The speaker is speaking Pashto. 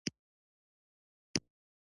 پیرودونکی د نرخونو پوښتنه وکړه.